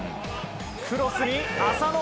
クロスに浅野。